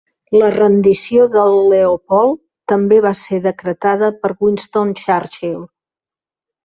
La rendició de Leopold també va ser decretada per Winston Churchill.